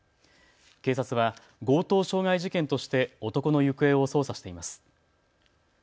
警察は強盗傷害事件として男の行方を捜査しています。